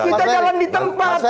kita jalan di tempat